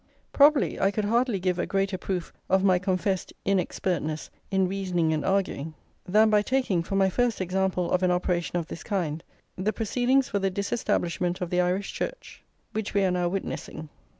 Probably I could hardly give a greater proof of my confessed inexpertness in reasoning and arguing, than by taking, for my first example of an operation of this kind, the proceedings for the disestablishment of the Irish Church, which we are now witnessing.